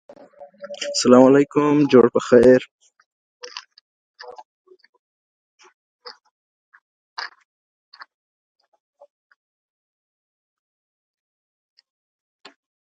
پېیر کوري د وسایلو پاکوالي یقیني کړ.